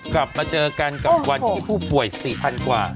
กลับมาเจอกันกับวันที่ผู้ป่วย๔๐๐๐กว่า